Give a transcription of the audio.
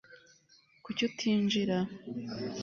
kuki utinjira